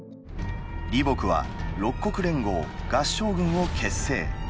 李牧は六国連合「合従軍」を結成。